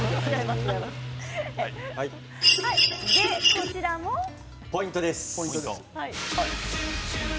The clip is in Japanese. こちらもポイントですね。